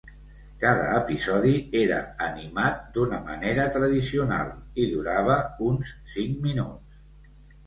Cada episodi era animat d'una manera tradicional i durava uns cinc minuts.